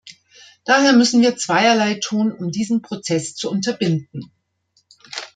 Daher müssen wir zweierlei tun, um diesen Prozess zu unterbinden.